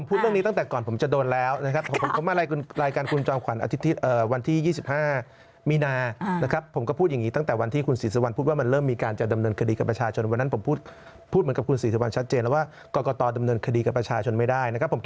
พูดเหมือนกับขุมศรีสะวันชัดเจนแล้วว่า